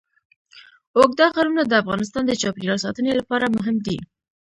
اوږده غرونه د افغانستان د چاپیریال ساتنې لپاره مهم دي.